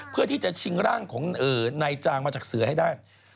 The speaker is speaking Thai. เพื่อที่จะชิงร่างของนายจางมาจากเสือให้ได้